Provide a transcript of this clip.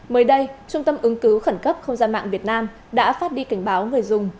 mới đây trung tâm ứng cứu khẩn cấp không gian mạng việt nam đã phát đi cảnh báo người dùng